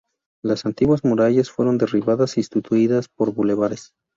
Las antiguas murallas fueron derribadas y sustituidas por bulevares.